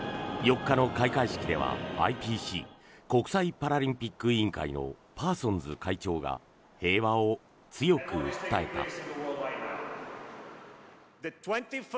４日の開会式ではＩＰＣ・国際パラリンピック委員会のパーソンズ会長が平和を強く訴えた。